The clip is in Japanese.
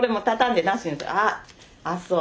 ああっそう。